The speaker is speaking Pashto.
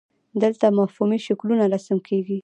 دلته مفهومي شکلونه رسم کیږي.